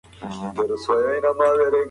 تاسو بايد د فکري جمود پر وړاندې ودرېږئ.